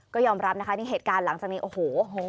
ก็ยอมรับนะคะนี่เหตุการณ์หลังจากนี้โอ้โห